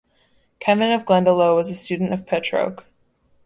Kevin of Glendalough was a student of Petroc.